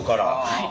はい。